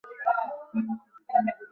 তার মধ্যে তিনি একজন।